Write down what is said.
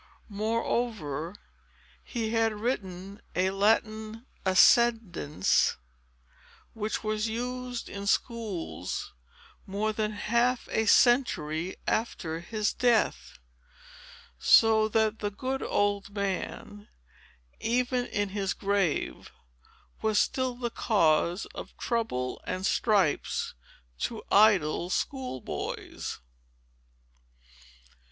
Moreover, he had written a Latin Accidence, which was used in schools more than half a century after his death; so that the good old man, even in his grave, was still the cause of trouble and stripes to idle school boys."